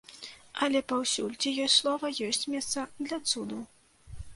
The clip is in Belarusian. Але паўсюль, дзе ёсць слова, ёсць месца для цуду.